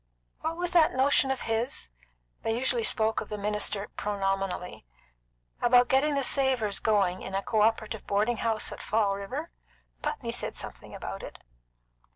"What was that notion of his" they usually spoke of the minister pronominally "about getting the Savors going in a co operative boarding house at Fall River? Putney said something about it."